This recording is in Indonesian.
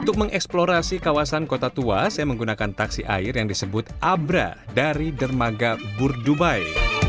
untuk mengeksplorasi kawasan kota tua saya menggunakan taksi air yang disebut abra dari dermaga burdubai